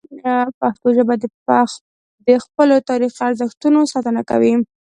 پښتو ژبه د خپلو تاریخي ارزښتونو ساتنه کوي.